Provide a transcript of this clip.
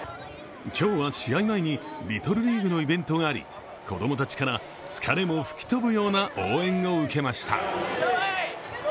今日は試合前にリトルリーグのイベントがあり子供たちから疲れも吹き飛ぶような応援を受けました。